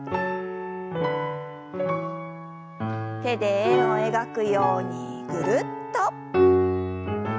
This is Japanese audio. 手で円を描くようにぐるっと。